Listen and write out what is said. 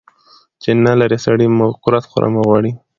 چی نلرې سړي ، مه کورت خوره مه غوړي .